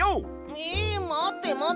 えまってまって！